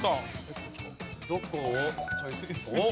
どこをチョイスおっ。